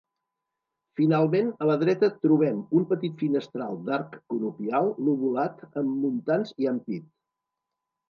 Finalment a la dreta trobem un petit finestral d'arc conopial lobulat amb muntants i ampit.